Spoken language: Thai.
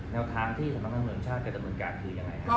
แนวทางที่สำหรับทางเมืองชาติและทางเมืองการคือยังไงฮะ